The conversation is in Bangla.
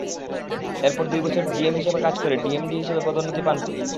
এরপর দুই বছর জিএম হিসেবে কাজ করে ডিএমডি হিসেবে পদোন্নতি পান তিনি।